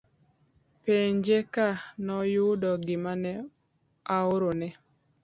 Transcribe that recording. Penje ka noyudo gima ne ahorone